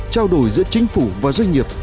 trao đổi giữa chính phủ và doanh nghiệp